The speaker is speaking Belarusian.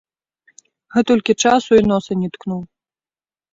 Гэтулькі часу і носа не ткнуў.